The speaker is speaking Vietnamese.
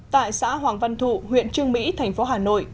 tại xã hoàng văn thụ huyện trương mỹ thành phố hà nội